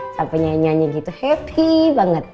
sampai nyanyi nyanyi gitu happy banget